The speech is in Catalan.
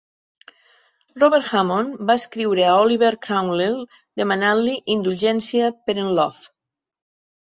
Robert Hammond va escriure a Oliver Cromwell demanant-li indulgència per en Love.